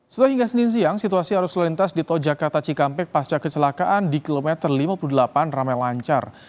setelah hingga senin siang situasi arus lalu lintas di tol jakarta cikampek pasca kecelakaan di kilometer lima puluh delapan ramai lancar